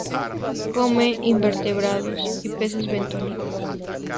Come invertebrados y peces bentónicos.